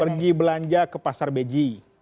pergi belanja ke pasar beji